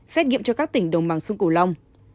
xét nghiệm cho các tỉnh đồng bằng xuân cổ long